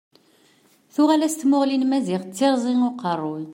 Tuɣal-as tmuɣli n Maziɣ d tirẓi n uqerruy.